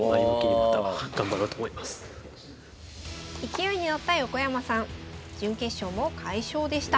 勢いに乗った横山さん準決勝も快勝でした。